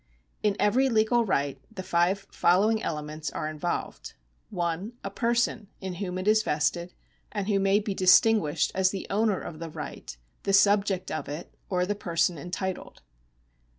In every legal right the five following elements are in volved :— (1) A j3er50?i in whom it is vested, and who may be dis tinguished as the oimier of the right, the subject of it, or the person entitled.